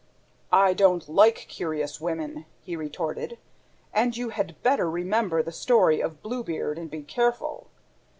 "I don't like curious women," he retorted, "and you had better remember the story of BLUE BEARD and be careful